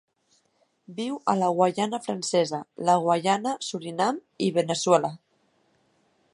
Viu a la Guaiana Francesa, la Guaiana, Surinam i Veneçuela.